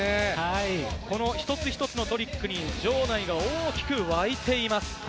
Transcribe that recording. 一つ一つのトリックに場内が大きく沸いています。